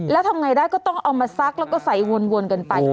แล้วทำไงได้ก็ต้องเอามาซักแล้วก็ใส่วนกันไป